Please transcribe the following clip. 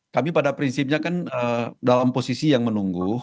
kami pada prinsipnya kan dalam posisi yang menunggu